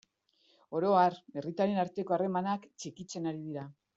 Oro har, herritarren arteko harremanak txikitzen ari dira.